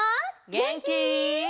げんき？